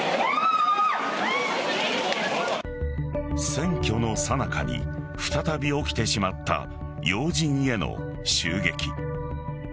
選挙のさなかに再び起きてしまった要人への襲撃。